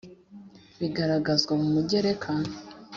bigaragazwa mu Mugereka